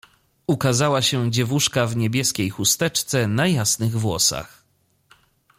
Ukazała się dziewuszka w niebieskiej chusteczce na jasnych włosach.